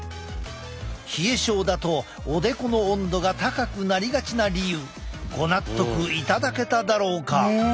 冷え症だとおでこの温度が高くなりがちな理由ご納得いただけただろうか。